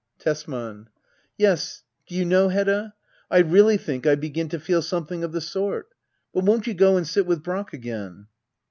Tesman. Yes, do you know, Hedda — I really think 1 begin to feel something of the sort. But won't you go and sit with Brack again